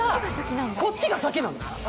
こっちが先なの！